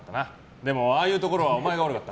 でもああいうところはお前が悪かった。